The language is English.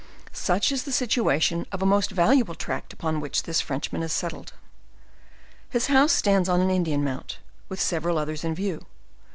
Such is the situation of a most valuable tract upon which this Frenchman is settled. His house stands on an Indian mount, with several others in view.